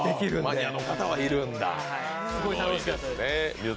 マニアの方がいるんだ。